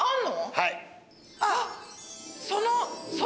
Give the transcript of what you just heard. はい。